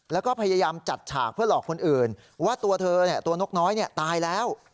แล้วก็พยายามจัดฉากเพื่อหลอกคนอื่นว่าตัวเธอตัวนกน้อยตายแล้ว